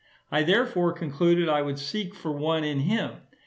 I therefore concluded I would seek for one in him.